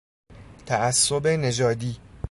تعصب نژادی